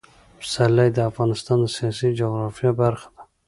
پسرلی د افغانستان د سیاسي جغرافیه برخه ده.